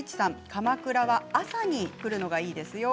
鎌倉は朝に来るのがいいですよ。